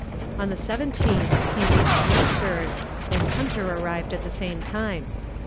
On the 17th he reached Lynchburg, and Hunter arrived at the same time.